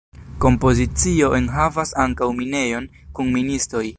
Kompozicio enhavas ankaŭ minejon kun ministoj.